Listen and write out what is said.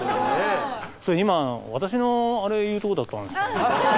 それ今私のあれ言うとこだったんですけど。